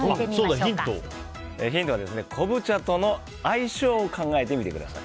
ヒントは、昆布茶との相性を考えてみてください。